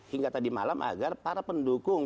hingga tadi malam agar para pendukung